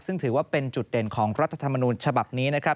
ซึ่งถือว่าเป็นจุดเด่นของรัฐธรรมนูญฉบับนี้นะครับ